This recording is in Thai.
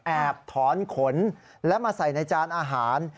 แอบถอนขนและมาใส่ในจานอาหาร